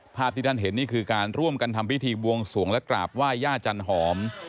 ภาพที่ท่านเห็นนี่คือการร่วมกันทำพิธีบวงสวงและกราบไหว้ย่าจันหอม